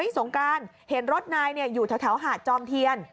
สงการเห็นรถนายอยู่แถวหาดจอมเทียน